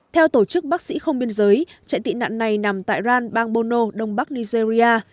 theo tổ chức bác sĩ không biên giới chạy tị nạn này nằm tại ran bang bono đông bắc nigeria